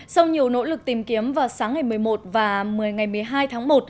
sau nhiều nỗ lực tìm kiếm vào sáng ngày một mươi một và một mươi ngày một mươi hai tháng một